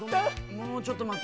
もうちょっとまって。